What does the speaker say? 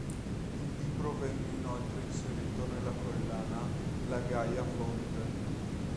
Il libro venne inoltre inserito nella collana "La gaia fonte".